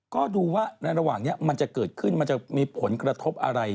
ก็ดูว่าในระหว่างนี้มันจะเกิดขึ้นมันจะมีผลกระทบอะไร